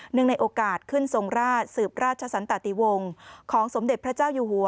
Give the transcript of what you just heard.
ในโอกาสขึ้นทรงราชสืบราชสันตติวงศ์ของสมเด็จพระเจ้าอยู่หัว